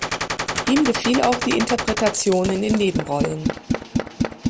Ihm gefiel auch die Interpretation in den Nebenrollen.